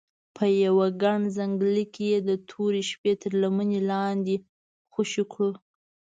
په یوه ګڼ ځنګله کې یې د تورې شپې تر لمنې لاندې خوشې کړو.